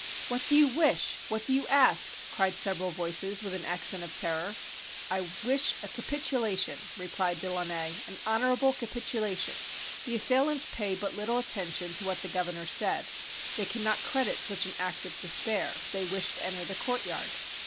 "What do you wish; what do you ask?" cried several voices with an accent of terror. "I wish a capitulation," replied De Launay, "an honorable capitulation." The assailants pay but little attention to what the governor said; they cannot credit such an act of despair; they wish to enter the courtyard.